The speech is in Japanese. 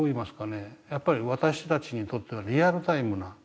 やっぱり私たちにとってはリアルタイムな。